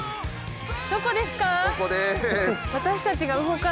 どこですか？